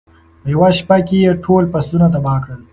په یوه شپه کې یې ټول فصلونه تباه کړل.